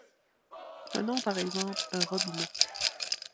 Prenons par exemple un robinet.